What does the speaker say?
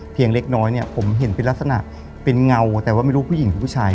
เล็กน้อยเนี่ยผมเห็นเป็นลักษณะเป็นเงาแต่ว่าไม่รู้ผู้หญิงหรือผู้ชาย